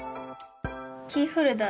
キーホルダー。